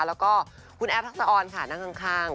แล้วก็คุณแอฟทักษะออนค่ะนั่งข้าง